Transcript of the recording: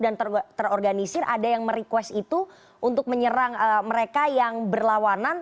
dan terorganisir ada yang merequest itu untuk menyerang mereka yang berlawanan